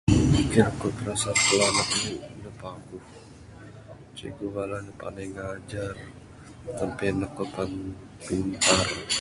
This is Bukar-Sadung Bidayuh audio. [unintelligible] cikgu bala ne panai ngajar sampe ne kuon. [unintelligible]